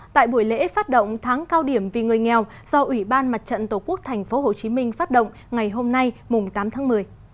tại buổi lễ phát động tháng cao điểm vì người nghèo do ủy ban mặt trận tổ quốc tp hcm phát động ngày hôm nay tám tháng một mươi